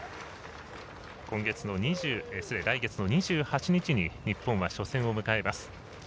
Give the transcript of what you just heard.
来月２８日に日本は初戦を迎えます。